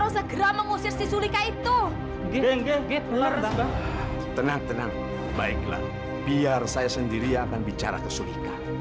sampai jumpa di video selanjutnya